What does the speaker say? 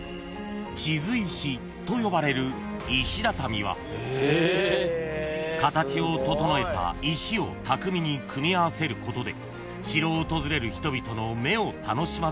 ［地図石と呼ばれる石畳は形を整えた石を巧みに組み合わせることで城を訪れる人々の目を楽しませたと伝えられている］